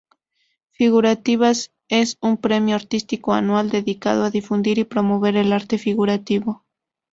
Figurativas es un premio artístico anual dedicado a difundir y promover el arte figurativo.